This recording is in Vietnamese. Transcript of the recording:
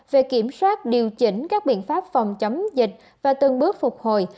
về kiểm soát điều chỉnh các biện pháp phòng chống dịch và từng bước phục hồi